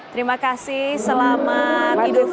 terima kasih selamat eid al fitri